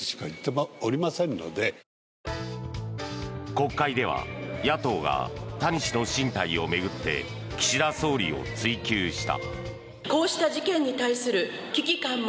国会では野党が谷氏の進退を巡って岸田総理を追及した。